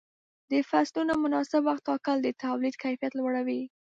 د فصلونو مناسب وخت ټاکل د تولید کیفیت لوړوي.